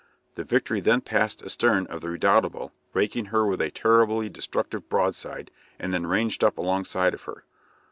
The "Victory" then passed astern of the "Redoutable," raking her with a terribly destructive broadside, and then ranged up alongside of her.